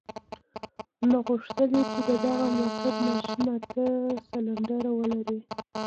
نو غوښتل يې چې د دغه موټر ماشين اته سلنډرونه ولري.